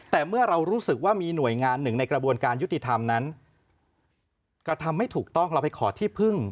แต่เมื่อเรารู้สึกว่ามีหน่วยงานหนึ่งในกระบวนการยุติธรรมนั้นกระทำไม่ถูกต้องเราไปขอที่พึ่ง